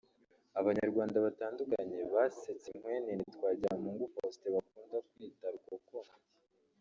Abanyarwanda batandukanye basetse inkwenene Twagiramungu Faustin bakunda kwita Rukokoma